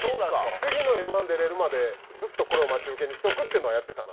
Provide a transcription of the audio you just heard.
次のＭ−１出られるまでずっとこれを待ち受けにしておくっていうのはやってたな